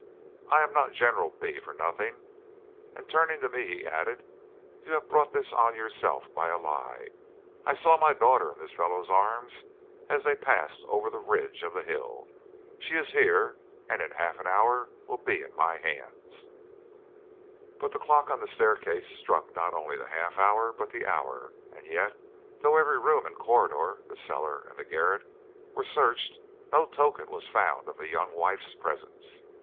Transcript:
I am not General B for nothing.' And turning to me, he added: 'You have brought this on yourself by a lie. I saw my daughter in this fellow's arms as they passed over the ridge of the hill. She is here, and in half an hour will be in my hands.' "But the clock on the staircase struck not only the half hour, but the hour, and yet, though every room and corridor, the cellar and the garret, were searched, no token was found of the young wife's presence.